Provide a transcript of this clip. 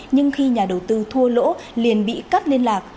nhưng khi nhà đầu tư thua lỗ liền bị cắt liên lạc